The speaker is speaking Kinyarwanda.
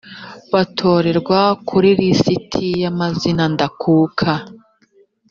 batorerwa kuri lisiti y amazina ndakuka